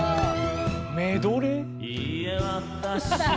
メドレー？